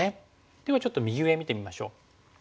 ではちょっと右上見てみましょう。